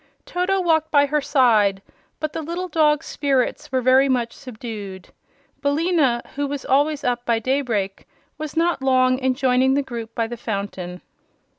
Toto walked by her side, but the little dog's spirits were very much subdued. Billina, who was always up by daybreak, was not long in joining the group by the fountain.